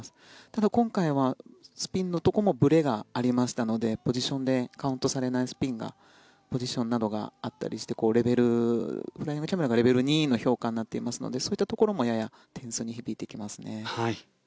ただ、今回はスピンのところもぶれがありましたのでポジションでカウントされないスピンがポジションなどがあったりしてフライングキャメルスピンがレベル２の評価になっていますのでそういったところもやや点数に響いてきますね。